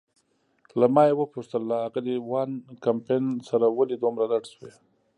له ما یې وپوښتل: له آغلې وان کمپن سره ولې دومره رډ شوې؟